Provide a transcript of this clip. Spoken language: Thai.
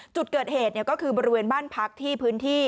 จุดเกิดเหตุก็คือบริเวณบ้านพักที่พื้นที่